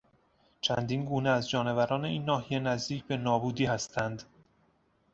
چندین گونه از جانوران این ناحیه نزدیک به نابودی هستند.